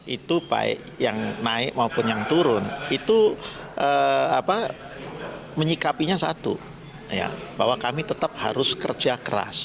itu baik yang naik maupun yang turun itu menyikapinya satu bahwa kami tetap harus kerja keras